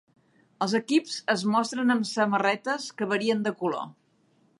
Els equips es mostren amb samarretes que varien de color.